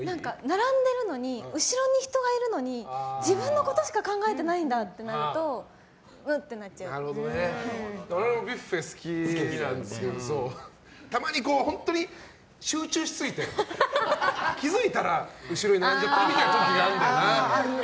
並んでるのに後ろに人がいるのに自分のことしか考えてないんだってなると俺もビュッフェ好きなんですけどたまに、本当に集中しすぎて気づいたら後ろに並んじゃってるみたいな時があるんだよな。